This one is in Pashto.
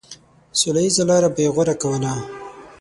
سوله ييزه لاره به يې غوره کوله.